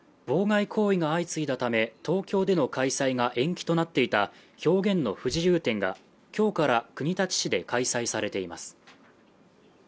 妨害行為が相次いだため東京での開催が延期となっていた表現の不自由展がきょうから国立市で開催されています